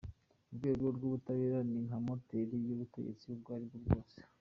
Urwego rw’ubutabera ni nka moteri y ‘ubutegetsi ubwo ari bwo bwose.